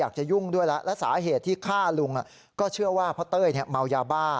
อยากจะยุ่งด้วยแล้วแล้วสาเหตุที่ฆ่าลุงอ่ะก็เชื่อว่าเพราะเต้ยเนี้ยเมายาบ้า